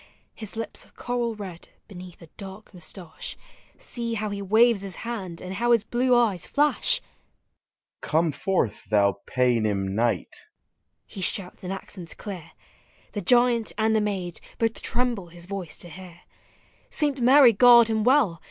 His lips a i*e coral red — beneath a dark mustache; See how he waves his hand — and how his blue eyes Hash ! "Come forth, thou raynim knight!"— he shouts in accents clear. The giant and (he maid both tremble his voice to hear. Saint Mary guard him well!